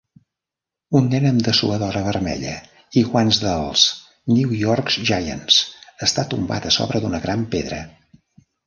Un nen amb dessuadora vermella i guants dels New York Giants està tombat a sobre d'una gran pedra.